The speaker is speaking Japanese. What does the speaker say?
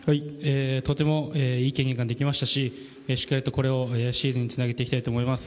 とてもいい経験ができましたししっかりとこれをシーズンにつなげていきたいと思います。